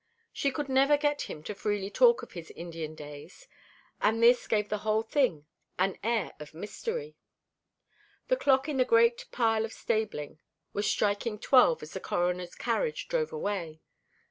She could never get him to talk freely of his Indian days, and this gave the whole thing an air of mystery. The clock in the great gray pile of stabling was striking twelve as the Coroner's carriage drove away.